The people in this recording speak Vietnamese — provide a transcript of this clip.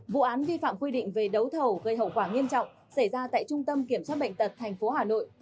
vụ án vi phạm quy định về đấu thầu gây hậu quả nghiêm trọng xảy ra tại trung tâm kiểm soát bệnh tật tp hà nội